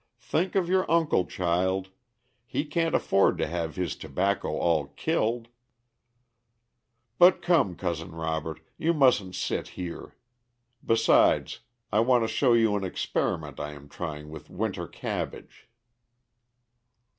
Think of your uncle, child! he can't afford to have his tobacco all killed.' But come, Cousin Robert, you mustn't sit here; besides I want to show you an experiment I am trying with winter cabbage."